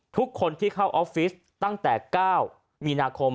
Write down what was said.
ทุกคนที่เข้าออฟฟิศตั้งแต่๙มีนาคม